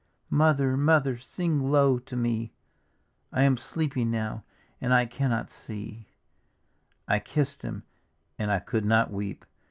" Mother, Mother, sing low to me — I am sleepy now and I cannot see I " I kissed him and I onild not weep.